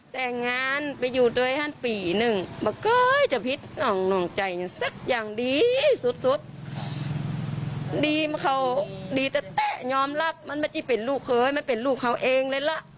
มันไม่ใช่เป็นลูกเคยมันเป็นลูกเขาเองเลยล่ะ